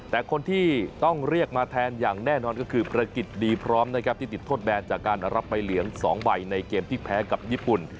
แต่คนที่ต้องเรียกมาแทนอย่างแน่นอนก็คือประกิจดีพร้อมนะครับที่ติดโทษแบนจากการรับใบเหลือง๒ใบในเกมที่แพ้กับญี่ปุ่น